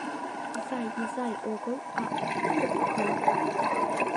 — Изай изай огыл, а опкын.